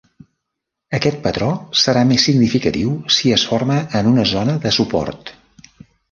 Aquest patró serà més significatiu si es forma en una zona de suport.